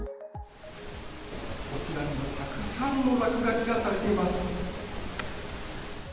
こちらに、たくさんの落書きがされています。